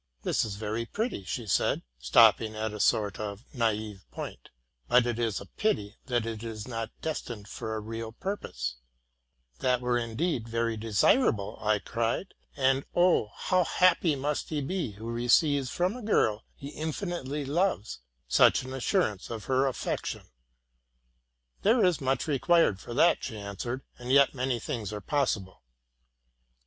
'*That is very pretty,'' said she, stopping at a sort of naive point; but it is a pity that it is not destined for a real purpose.'' —'' That were indeed very desirable,'' I cried ; 'Sand, oh! how happy must he be, who receives from a girl he infinitely loves, such an assurance of her affection.'' —'* There is much required for that,'' she answered, '+ and yet many things are possible.